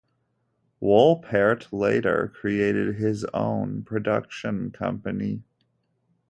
Wolpert later created his own production company.